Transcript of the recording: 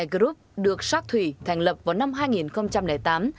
e group được shark thủy thành lập vào năm hai nghìn tám